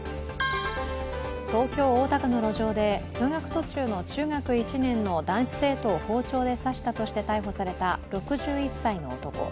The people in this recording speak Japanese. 東京・大田区の路上で通学途中の中学１年の男子生徒を包丁で刺したとして逮捕された６１歳の男。